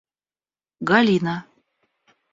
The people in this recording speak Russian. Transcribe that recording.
Галина